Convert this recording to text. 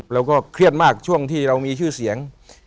เราก็เครียดมากช่วงที่เรามีชื่อเสียง